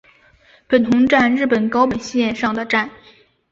本桐站日高本线上的站。